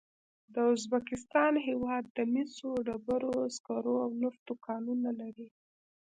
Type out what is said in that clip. د ازبکستان هېواد د مسو، ډبرو سکرو او نفتو کانونه لري.